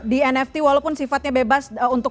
di nft walaupun sifatnya bebas untuk